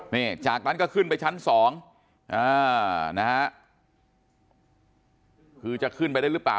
นี่จากนั้นก็ขึ้นไปชั้นสองอ่านะฮะคือจะขึ้นไปได้หรือเปล่า